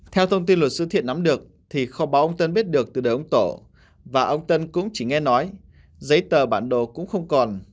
theo thông tin luật sư thiện nắm được thì kho báo ông tân biết được từ đời ông tổ và ông tân cũng chỉ nghe nói giấy tờ bản đồ cũng không còn